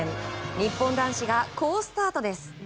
日本男子が好スタートです。